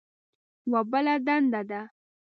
یوه بله دنده ده.